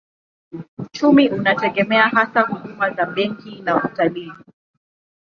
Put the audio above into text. Uchumi unategemea hasa huduma za benki na utalii.